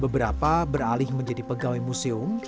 beberapa beralih menjadi pegawai museum